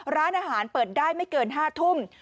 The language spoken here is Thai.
ร้านอาหารเปิดได้ไม่เกิน๕ทุ่ม